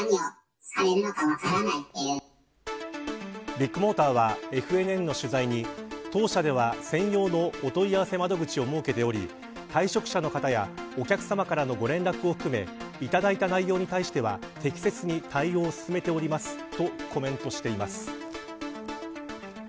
ビッグモーターはＦＮＮの取材に当社では専用のお問い合わせ窓口を設けており退職者の方やお客様からのご連絡を含めいただいた内容に対しては適切に対応を進めておりますとコメントしています。